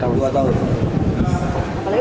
aku sadar aku gak sangka sih